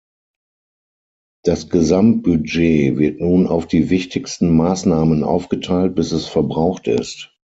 Das Gesamtbudget wird nun auf die wichtigsten Maßnahmen aufgeteilt, bis es verbraucht ist.